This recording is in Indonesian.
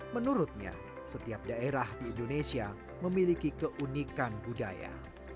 menurutnya setiap daerah di indonesia memiliki keunikan budaya